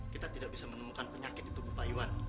kita tidak bisa menemukan penyakit di tubuh pak iwan